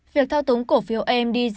việc thao túng cổ phiếu amd gab